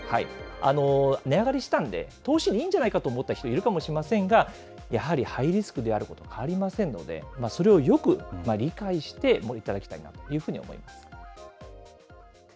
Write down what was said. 値上がりしたんで、投資にいいんじゃないかと思った人、いるかもしれませんが、やはりハイリスクであること、変わりませんので、それをよく理解して、いただきたいなと思います。